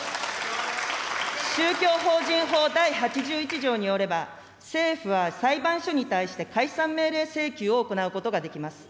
宗教法人法第８１条によれば、政府は裁判所に対して解散命令請求を行うことができます。